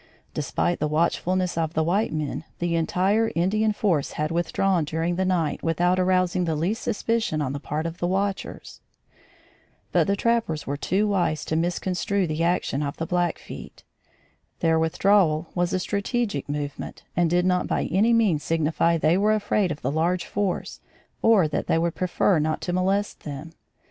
Despite the watchfulness of the white men, the entire Indian force had withdrawn during the night without arousing the least suspicion on the part of the watchers. But the trappers were too wise to misconstrue the action of the Blackfeet. Their withdrawal was a strategic movement, and did not by any means signify they were afraid of the large force or that they would prefer not to molest them.